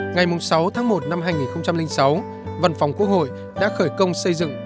ngày sáu tháng một năm hai nghìn sáu văn phòng quốc hội đã khởi công xây dựng